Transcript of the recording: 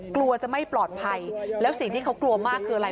กลัวจะไม่ปลอดภัยแล้วสิ่งที่เขากลัวมากคืออะไร